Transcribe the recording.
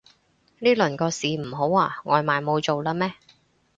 呢輪個市唔好啊？外賣冇做喇咩